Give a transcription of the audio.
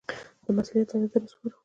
دا مسوولیت تاته در سپارو.